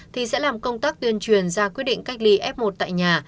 thì sẽ làm công tác tuyên truyền ra quyết định cách ly f một tại nhà